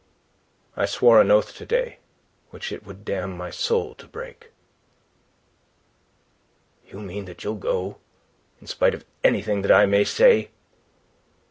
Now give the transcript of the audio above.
"I swore an oath to day which it would damn my soul to break." "You mean that you'll go in spite of anything that I may say?"